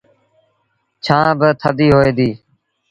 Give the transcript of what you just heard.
ڇآن با ٿڌي هوئي دي۔